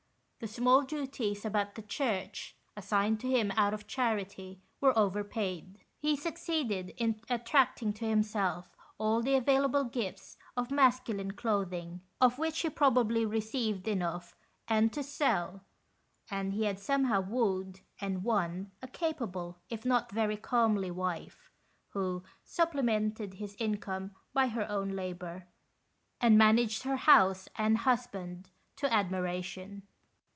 The small duties about the church, assigned to him out of charity, were overpaid. He succeeded in attracting to himself all the available gifts of masculine clothing, of which he probably received enough and to sell, and he had somehow wooed and won a capable, if not very comely, wife, who supple mented his income by her own labour, and managed her house and husband to admiration.